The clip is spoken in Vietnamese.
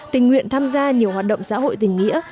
tình nguyện tham gia nhiều hoạt động xã hội tình nghĩa